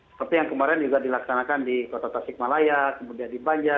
seperti yang kemarin juga dilaksanakan di kota tasikmalaya kemudian di banjar